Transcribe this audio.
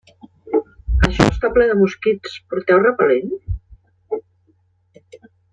Això està ple de mosquits, porteu repel·lent?